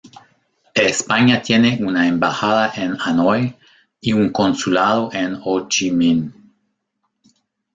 España tiene una embajada en Hanoi y un consulado en Ho Chi Minh.